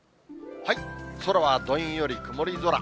空はどんより曇り空。